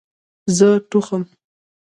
زه ټوخم